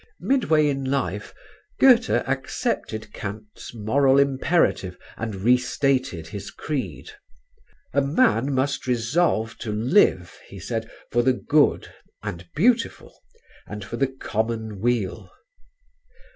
Midway in life Goethe accepted Kant's moral imperative and restated his creed: "A man must resolve to live," he said, "for the Good, and Beautiful, and for the Common Weal."